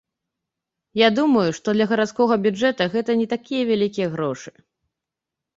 Я думаю, што для гарадскога бюджэта гэта не такія вялікія грошы.